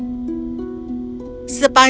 kami tidak akan menolak menikah dengan pangeran